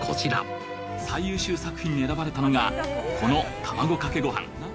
「最優秀作品に選ばれたのがこの卵かけご飯」